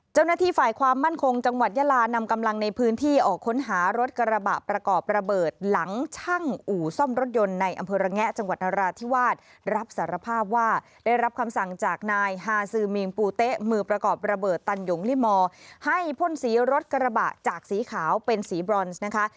เจ้าหน้าที่ฝ่ายความมั่นคงจังหวัดยาลานำกำลังในพื้นที่ออกค้นหารถกระบะประกอบระเบิดหลังช่างอู่ซ่อมรถยนต์ในอำเภอระแงะจังหวัดนราธิวาสรับสารภาพว่าได้รับคำสั่งจากนายฮาซือมีงปูเต๊ะมือประกอบระเบิดตันหยงลิมอร์ให้พ่นสีรถกระบะจากสีขาวเป็นสีบรอนซ์นะคะ